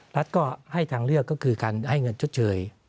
รัฐก็ให้ทางเลือกก็คือการให้เงินชดเชย